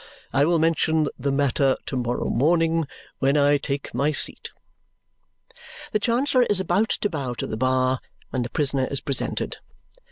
I will mention the matter to morrow morning when I take my seat." The Chancellor is about to bow to the bar when the prisoner is presented.